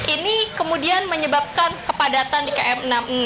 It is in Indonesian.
ini kemudian menyebabkan kepadatan di km enam puluh enam